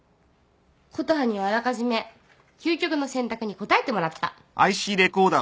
琴葉にはあらかじめ究極の選択に答えてもらった。